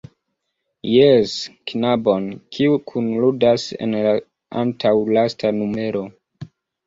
Jes, knabon, kiu kunludas en la antaŭlasta numero.